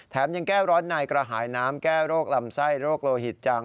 ยังแก้ร้อนในกระหายน้ำแก้โรคลำไส้โรคโลหิตจัง